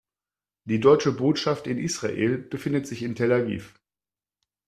Die Deutsche Botschaft in Israel befindet sich in Tel Aviv.